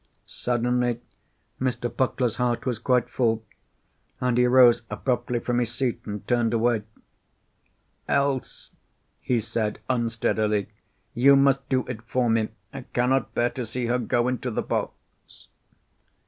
Suddenly Mr. Puckler's heart was quite full, and he rose abruptly from his seat and turned away. "Else," he said unsteadily, "you must do it for me. I cannot bear to see her go into the box."